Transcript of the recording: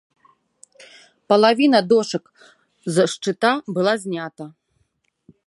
Палавіна дошак з шчыта была знята.